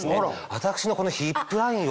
私のこのヒップラインを。